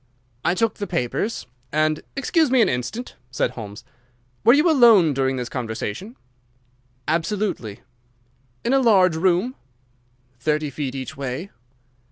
"I took the papers and—" "Excuse me an instant," said Holmes. "Were you alone during this conversation?" "Absolutely." "In a large room?" "Thirty feet each way."